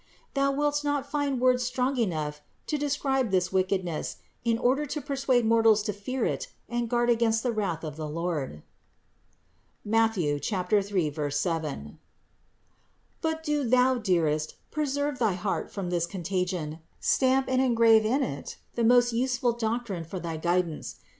Thou wilt not find words strong enough to describe this wicked ness, in order to persuade mortals to fear it and guard against the wrath of the Lord (Matt. 3, 7). But do thou, dearest, preserve thy heart from this contagion, stamp and engrave in it the most useful doctrine for thy guidance.